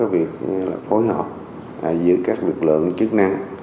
việc phối hợp giữa các lực lượng chức năng